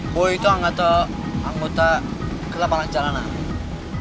boy itu anggota kelabangan jalanan